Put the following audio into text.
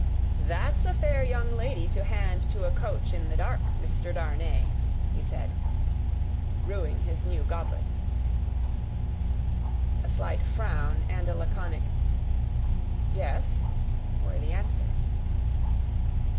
"That's a fair young lady to hand to a coach in the dark, Mr. Darnay!" he said, filling his new goblet. A slight frown and a laconic "Yes," were the answer.